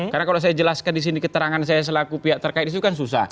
karena kalau saya jelaskan di sini keterangan saya selaku pihak terkait disitu kan susah